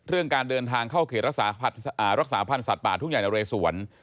การเดินทางเข้าเขตรักษาพันธ์สัตว์ป่าทุ่งใหญ่นะเรสวน